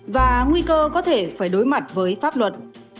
và nguy cơ có thể phải đối mặt với pháp luật